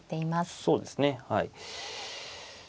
そうですねはい。